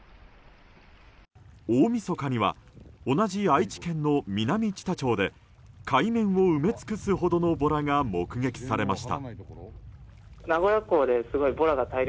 大みそかには同じ愛知県の南知多町で海面を埋め尽くすほどのボラが目撃されました。